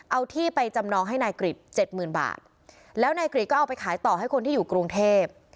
เอาที่ไปจำนองให้นายกริจเจ็ดหมื่นบาทแล้วนายกริจก็เอาไปขายต่อให้คนที่อยู่กรุงเทพ